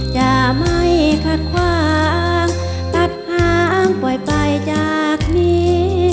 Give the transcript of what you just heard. จะไม่ขัดขวางตัดทางปล่อยไปจากนี้